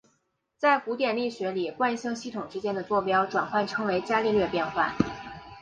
在古典力学里惯性系统之间的座标转换称为伽利略变换。